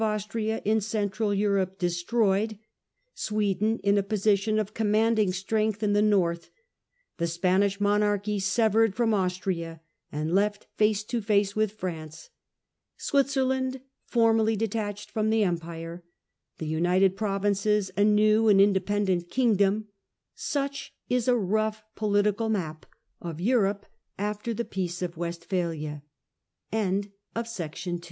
Austria in central Europe destroyed ; Sweden in a position of commanding strength in the north ; the Spanish monarchy severed from Austria and left face to face with France ; Switzerland formally detached from the Empire ; the United Provinces a new and indepen dent kingdom : such is a rough political ma